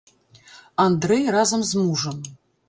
Андрэй разам з мужам.